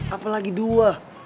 apa lagi dua